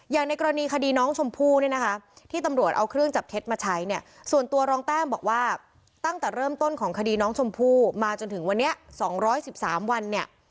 อย่างในกรณีคดีน้องชมพู่เนี่ยนะคะที่ตำรวจเอาเครื่องจับเท็จมาใช้เนี่ยส่วนตัวรองแต้มบอกว่าตั้งแต่เริ่มต้นของคดีน้องชมพู่มาจนถึงวันนี้๒๑๓วันเนี่ย